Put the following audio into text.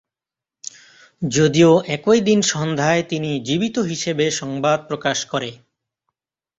যদিও একই দিন সন্ধ্যায় তিনি জীবিত হিসেবে সংবাদ প্রকাশ করে।